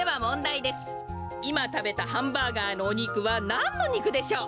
いまたべたハンバーガーのおにくはなんのにくでしょう？